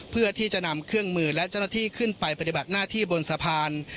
เพื่อที่จะนำเครื่องมือและเจ้าหน้าที่ขึ้นไปปฏิบัติหน้าที่บนสะพาน